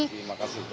terima kasih pak